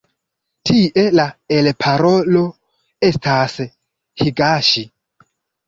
Tie la elparolo estas higaŝi.